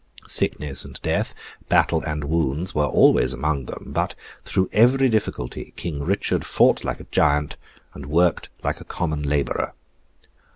Sickness and death, battle and wounds, were always among them; but through every difficulty King Richard fought like a giant, and worked like a common labourer.